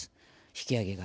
引き上げが。